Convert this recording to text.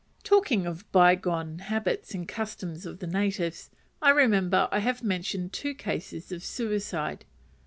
Talking of bygone habits and customs of the natives, I remember I have mentioned two cases of suicide.